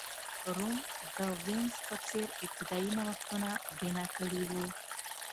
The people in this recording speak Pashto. روم د وینز په څېر ابتدايي نوښتونه بنا کړي وو.